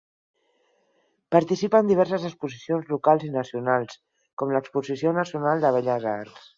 Participa en diverses exposicions locals i nacionals, com l'Exposició Nacional de Belles Arts.